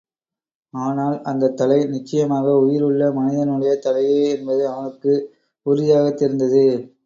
ஆனால், அந்தத்தலை நிச்சயமாக உயிருள்ள மனிதனுடைய தலையே என்பது அவனுக்கு உறுதியாகத் தெரிந்தது.